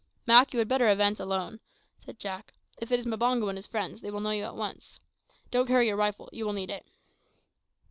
"Mak, you had better advance alone," said Jack. "If it is Mbango and his friends, they will know you at once. Don't carry your rifle; you won't need it."